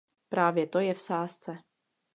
Právě to je v sázce.